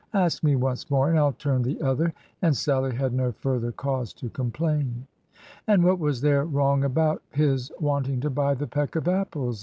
Ask me once more, and I 'll turn the other." And Sallie had no further cause to complain. And what was there wrong about his wanting to buy the peck of apples